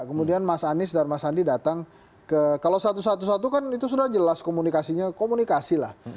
kemudian mas anies dan mas andi datang ke kalau satu satu kan itu sudah jelas komunikasinya komunikasi lah